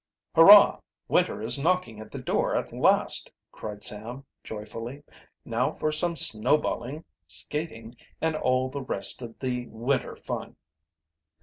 "Hurrah! winter is knocking at the door at last!" cried Sam joyfully. "Now for some snowballing, skating, and all the rest of the winter fun."